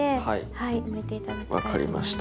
はい分かりました。